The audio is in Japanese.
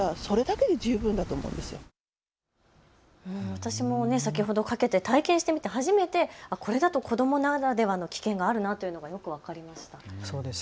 私も先ほどかけて、体験してみて初めてこれだと、子どもならではの危険があるなというのがよく分かりました。